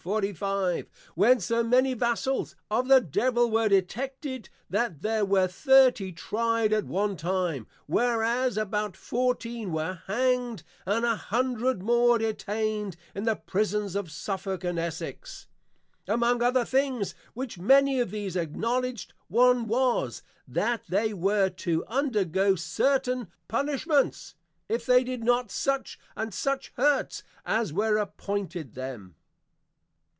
When so many Vassals of the Devil were Detected, that there were Thirty try'd at one time, whereas about fourteen were Hang'd, and an Hundred more detained in the Prisons of Suffolk and Essex. Among other things which many of these Acknowledged, one was, That they were to undergo certain Punishments, if they did not such and such Hurts, as were appointed them.